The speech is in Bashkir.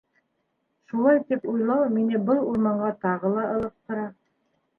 Шулай тип уйлау мине был урманға тағы ла ылыҡтыра.